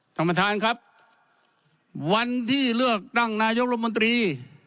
ท่านประธานครับวันที่เลือกตั้งนายกรมนตรี